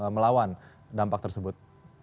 melawan dampak tersebut